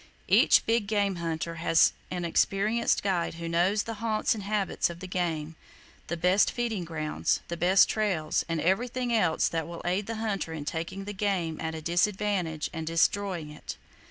Each big game hunter has an experienced guide who knows the haunts and habits of the game, the best feeding grounds, the best trails, and everything else that will aid the hunter in taking the game at a disadvantage and destroying it.